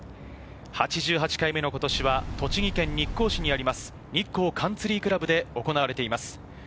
８８回目の今年は栃木県日光市にあります、日光カンツリー倶楽部で行われています。